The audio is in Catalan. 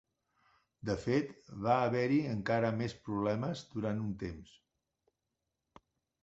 De fet, va haver-hi encara més problemes durant un temps.